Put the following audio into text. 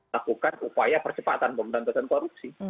lakukan upaya percepatan pemberantasan korupsi